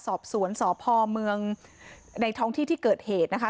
สอบสวนสพเมืองในท้องที่ที่เกิดเหตุนะคะ